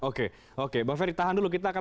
oke oke bang ferry tahan dulu kita akan